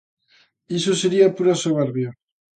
Iso sería pura soberbia.